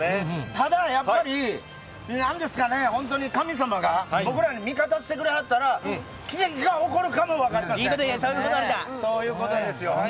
ただやっぱり、なんですかね、本当に神様が僕らに味方してくれはったら奇跡が起こるかも分かりそういうことなんですよ。